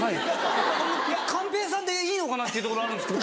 寛平さんでいいのかなっていうところあるんですけど。